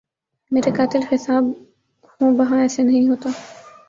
مرے قاتل حساب خوں بہا ایسے نہیں ہوتا